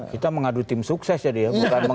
kita mengadu tim sukses tadi ya